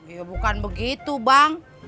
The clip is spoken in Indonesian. ya bukan begitu bang